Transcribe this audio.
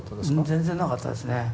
全然なかったですね。